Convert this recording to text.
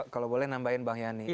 kalau boleh nambahin bang yani